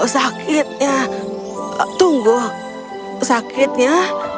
sakitnya tunggu sakitnya